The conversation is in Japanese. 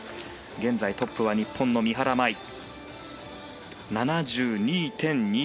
現在トップは日本の三原舞依。